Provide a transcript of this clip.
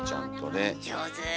上手。